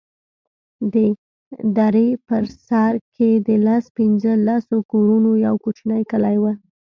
د درې په سر کښې د لس پينځه لسو کورونو يو کوچنى کلى و.